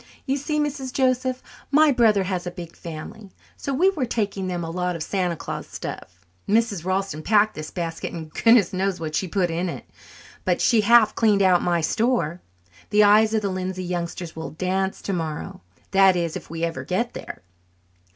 "You see, Mrs. Joseph, my brother has a big family, so we are taking them a lot of Santa Claus stuff. Mrs. Ralston packed this basket, and goodness knows what she put in it, but she half cleaned out my store. The eyes of the Lindsay youngsters will dance tomorrow that is, if we ever get there."